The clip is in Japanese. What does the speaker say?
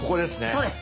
そうです。